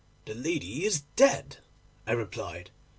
—"The lady is dead," I replied.